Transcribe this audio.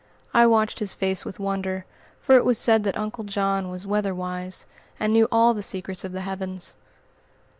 I watched his face with wonder, for it was said that "Uncle John" was "weatherwise," and knew all the secrets of the heavens.